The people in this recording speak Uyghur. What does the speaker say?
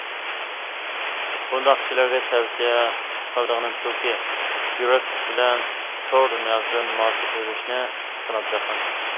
بۇنداق كىشىلەرگە تەۋسىيە قىلىدىغىنىم شۇكى، يۈرەكلىك بىلەن تور دۇنياسىدىن مال سېتىۋېلىشنى سىناپ بېقىڭ.